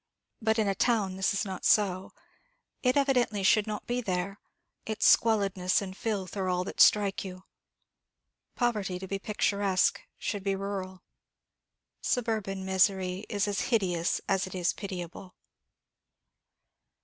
But in a town this is not so. It evidently should not be there its squalidness and filth are all that strike you. Poverty, to be picturesque, should be rural. Suburban misery is as hideous as it is pitiable.